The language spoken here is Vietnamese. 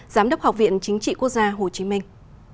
giám đốc học viện chính trị quốc gia hồ chí minh